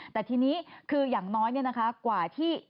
แต่ทีนี้คืออย่างน้อยกว่าที่